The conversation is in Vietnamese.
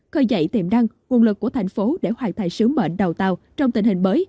khơi dậy tiềm năng nguồn lực của thành phố để hoàn thành sứ mệnh đầu tàu trong tình hình mới